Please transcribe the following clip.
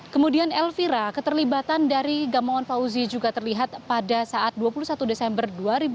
kemudian elvira keterlibatan dari gamawan fauzi juga terlihat pada saat dua puluh satu desember dua ribu dua puluh